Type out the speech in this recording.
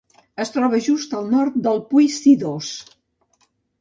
Es troba just al nord del Pui Sidós.